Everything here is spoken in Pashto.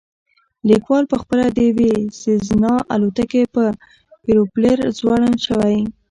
لیکوال پخپله د یوې سیزنا الوتکې په پروپیلر ځوړند شوی